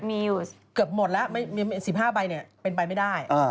เกือบหมดแล้ว๑๕ใบเนี่ยเป็นไปไม่ได้